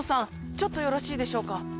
ちょっとよろしいでしょうか